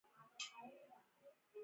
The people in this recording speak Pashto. سبا تر ماسپښينه پورې يوازې سر ناست وم.